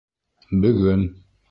Бөгөн